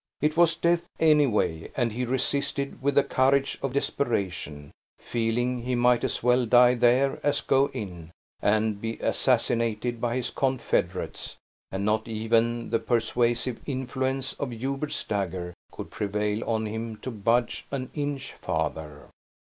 It was death, anyway, and he resisted with the courage of desperation, feeling he might as well die there as go in and be assassinated by his confederates, and not even the persuasive influence of Hubert's dagger could prevail on him to budge an inch farther.